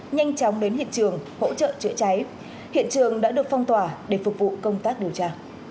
nhanh chóng đến hiện trường hỗ trợ chữa cháy hiện trường đã được phong tỏa để phục vụ công tác điều tra